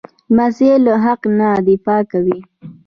لمسی له حق نه دفاع کوي.